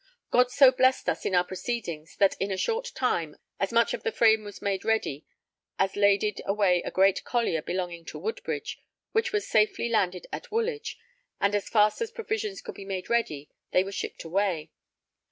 God so blessed us in our proceedings that in a short time as much of the frame was made ready as laded away a great collier belonging to Woodbridge, which was safely landed at Woolwich; and as fast as provisions could be made ready, they were shipped away.